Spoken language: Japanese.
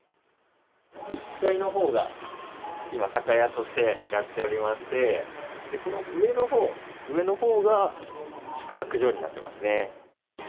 １階のほうが今、酒屋としてやっておりまして、この上のほう、上のほうが、宿泊所になってますね。